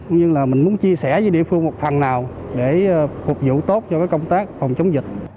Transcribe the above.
nhưng mình muốn chia sẻ với địa phương một phần nào để phục vụ tốt cho công tác phòng chống dịch